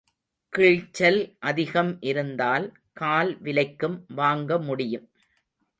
கிழிச்சல் அதிகம் இருந்தால் கால் விலைக்கும் வாங்க முடியும்.